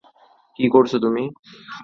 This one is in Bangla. কি করছো তুমি?